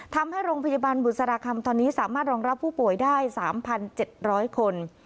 ทำให้โรงพยาบาลบุษราคำตอนนี้สามารถรองรับผู้ป่วยได้๓๗๐๐คน